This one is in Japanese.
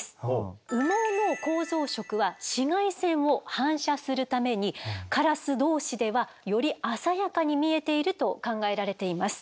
羽毛の構造色は紫外線を反射するためにカラスどうしではより鮮やかに見えていると考えられています。